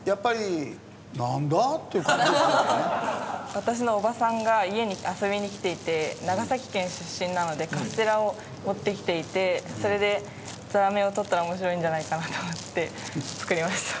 私の叔母さんが家に遊びに来ていて長崎県出身なのでカステラを持ってきていてそれでザラメを取ったら面白いんじゃないかなと思って作りました。